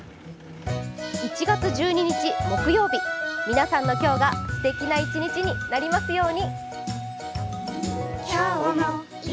１月１２日、木曜日、皆さんの今日がすてきな一日になりますように。